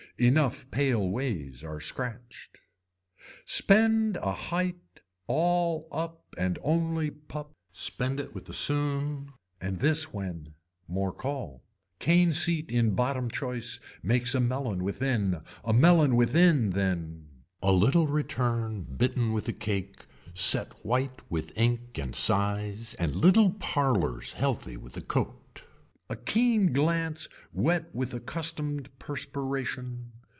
Enough pale ways are scratched. Spend a height all up and only pup, spend it with the soon. And this when. More call. Cane seat in bottom choice makes a melon within. A melon within then. A little return bitten with a cake set white with ink and size and little parlors healthy with a coat. A keen glance wet with accustomed perspiration.